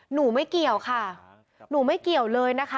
หนูไม่เกี่ยวค่ะหนูไม่เกี่ยวเลยนะคะ